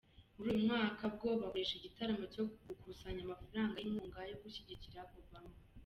Muri uyu mwaka bwo bakoresheje igitaramo cyo gukusanya amafaranga y’inkunga gushyigikira Obama.